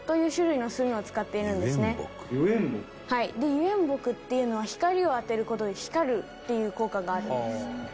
油煙墨っていうのは光を当てる事で光るっていう効果があるんです。